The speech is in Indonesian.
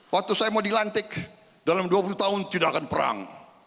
waktu saya mau dilantik dalam dua puluh tahun tidak akan perang